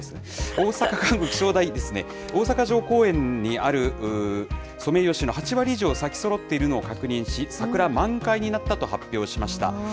大阪管区気象台ですね、大阪城公園にあるソメイヨシノ、８割以上咲きそろっているのを確認し、桜満開になったと発表しました。